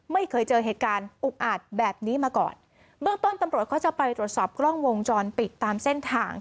ไม่เคยเจอเหตุการณ์อุกอาจแบบนี้มาก่อนเบื้องต้นตำรวจเขาจะไปตรวจสอบกล้องวงจรปิดตามเส้นทาง